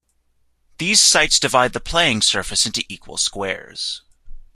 These sights divide the playing surface into equal squares.